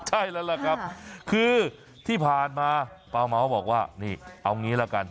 ใช่แล้วล่ะครับคือที่ผ่านมาป้าเม้าบอกว่านี่เอางี้ละกัน